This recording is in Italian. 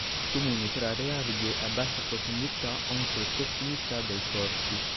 Comune tra le alghe a bassa profondità anche in prossimità dei porti.